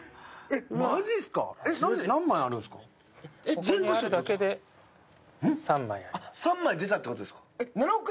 マジっすか⁉３枚出たってことですか？